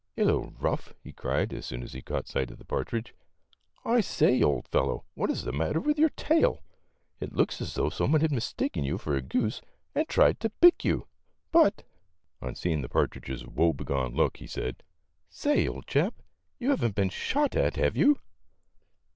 " Hello, Ruff," he cried, as soon as he caught sight of the partridge. " I say, old fellow, what is the matter with your tail? It looks as though some one had mistaken you for a goose and had tried to pick you. But," on seeing A NIGHT WITH RUFF GROUSE. 127 the partridge's woe begone look, he said, " say, old chap, you have n't been shot at, have you?"